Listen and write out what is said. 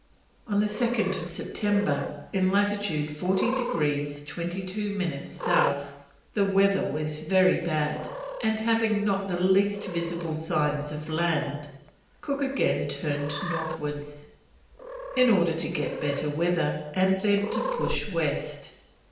On 2nd September, in latitude 40 degrees 22 minutes South, the weather was very bad, and "having not the least visible signs of land," Cook again turned northwards, in order to get better weather and then to push west.